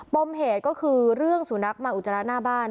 มเหตุก็คือเรื่องสุนัขมาอุจจาระหน้าบ้าน